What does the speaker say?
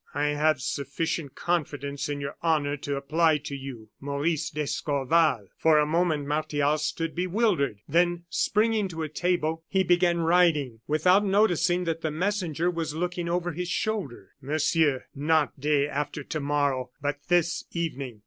"I have sufficient confidence in your honor to apply to you. "Maurice d'Escorval." For a moment Martial stood bewildered, then, springing to a table, he began writing, without noticing that the messenger was looking over his shoulder: "Monsieur Not day after to morrow, but this evening.